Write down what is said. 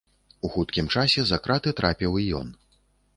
У хуткім часе за краты трапіў і ён.